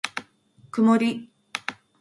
くもり